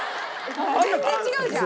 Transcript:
「全然違うじゃん」